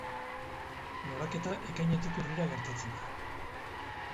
Loraketa Ekainetik Urrira gertatzen da.